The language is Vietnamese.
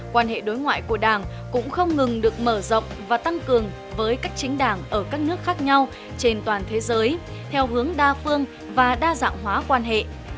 quan hệ đối ngoại của đảng cũng không ngừng được mở rộng và tăng cường với các chính đảng ở các nước khác nhau trên toàn thế giới theo hướng đa phương và đa dạng hóa quan hệ